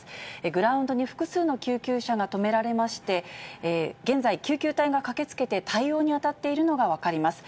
グラウンドに複数の救急車が止められまして、現在、救急隊が駆けつけて対応に当たっているのが分かります。